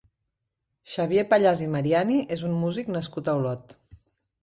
Xavier Pallàs i Mariani és un músic nascut a Olot.